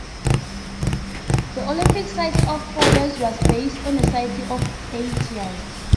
The Olympic cycle of four years was based on a cycle of eight years.